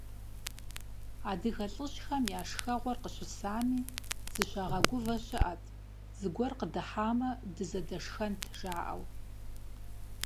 Адыгэ лӀыжьхэм я шхэгъуэр къыщысами, зыщагъэгувэ щыӀэт, «зыгуэр къыдыхьамэ, дызэдэшхэнт», - жаӀэу.